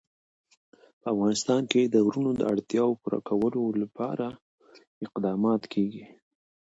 په افغانستان کې د غرونه د اړتیاوو پوره کولو لپاره اقدامات کېږي.